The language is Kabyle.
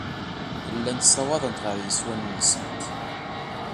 Llant ssawaḍent ɣer yeswan-nsent.